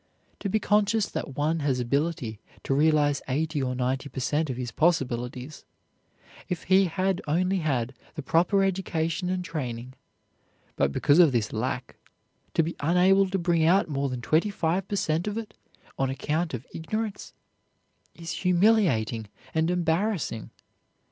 To be conscious that one has ability to realize eighty or ninety per cent of his possibilities, if he had only had the proper education and training, but because of this lack to be unable to bring out more than twenty five per cent of it on account of ignorance, is humiliating and embarrassing.